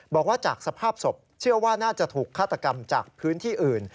บอกว่าจากสภาพศพเชื่อว่าน่าจะถูกฆาตกรรมจากพื้นที่อื่น